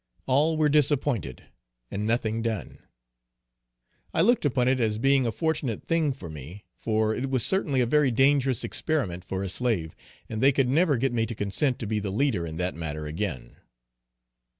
All were disappointed, and nothing done. I looked upon it as being a fortunate thing for me, for it was certainly a very dangerous experiment for a slave, and they could never get me to consent to be the leader in that matter again.